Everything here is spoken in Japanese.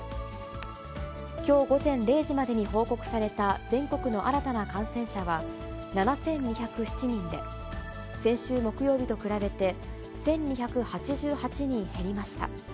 きょう午前０時までに報告された全国の新たな感染者は７２０７人で、先週木曜日と比べて、１２８８人減りました。